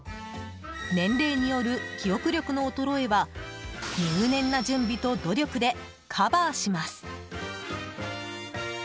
年齢による記憶力の衰えは入念な準備と努力でカバーします。